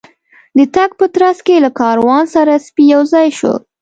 د تګ په ترڅ کې له کاروان سره سپي یو ځای شول.